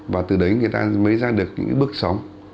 và từ đấy người ta mới ra được những bước sóng